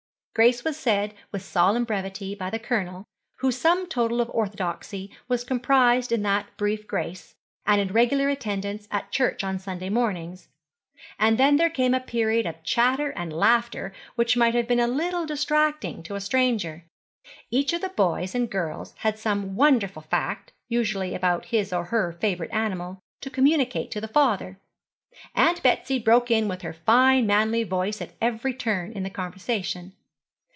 Grace was said with solemn brevity by the Colonel, whose sum total of orthodoxy was comprised in that brief grace, and in regular attendance at church on Sunday mornings; and then there came a period of chatter and laughter which might have been a little distracting to a stranger. Each of the boys and girls had some wonderful fact, usually about his or her favourite animal, to communicate to the father. Aunt Betsy broke in with her fine manly voice at every turn in the conversation.